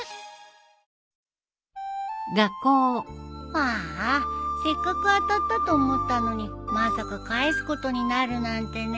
ああせっかく当たったと思ったのにまさか返すことになるなんてね。